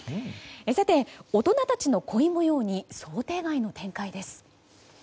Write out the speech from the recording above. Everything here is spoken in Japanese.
さて、大人たちの恋模様に想定外の展開です。